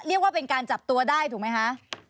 เรียกว่าเป็นการจับตัวได้ถูกไหมคะ